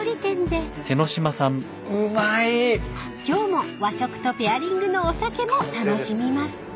［今日も和食とペアリングのお酒も楽しみます］